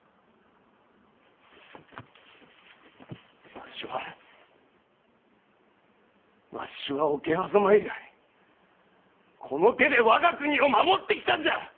わしはわしは桶狭間以来この手で我が国を守ってきたんじゃ！